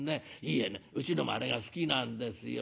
いえねうちのもあれが好きなんですよ。